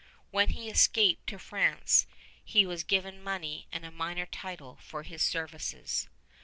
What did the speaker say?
When he escaped to France he was given money and a minor title for his services.